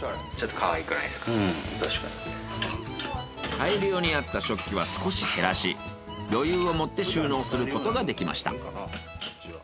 大量にあった食器は少し減らし余裕を持って収納することができました。